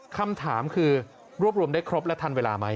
คำถามคือรวบรวมได้ครบและทันเวลาไหม